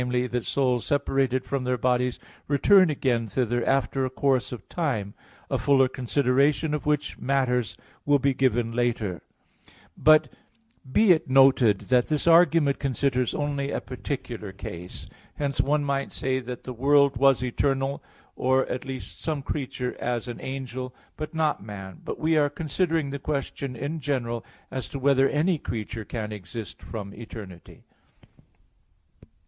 that souls separated from their bodies return again thither after a course of time; a fuller consideration of which matters will be given later (Q. 75, A. 2; Q. 118, A. 6). But be it noted that this argument considers only a particular case. Hence one might say that the world was eternal, or at least some creature, as an angel, but not man. But we are considering the question in general, as to whether any creature can exist from eternity.